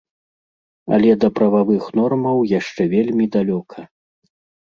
Але да прававых нормаў яшчэ вельмі далёка.